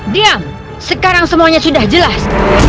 diam sekarang semuanya sudah jelas